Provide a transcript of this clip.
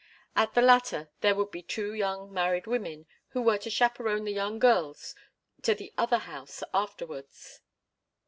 At the latter there were to be two young married women who were to chaperon the young girls to the other house afterwards.